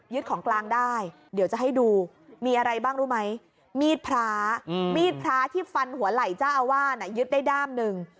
ของกลางได้เดี๋ยวจะให้ดูมีอะไรบ้างรู้ไหมมีดพระมีดพระที่ฟันหัวไหล่เจ้าอาวาสยึดได้ด้ามหนึ่ง